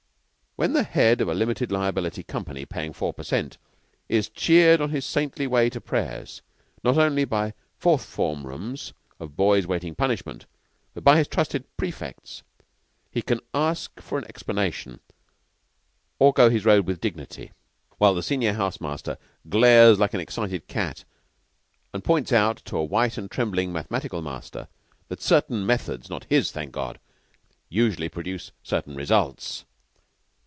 When the Head of a limited liability company, paying four per cent., is cheered on his saintly way to prayers, not only by four form rooms of boys waiting punishment, but by his trusted prefects, he can either ask for an explanation or go his road with dignity, while the senior house master glares like an excited cat and points out to a white and trembling mathematical master that certain methods not his, thank God usually produce certain results.